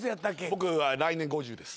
僕は来年５０です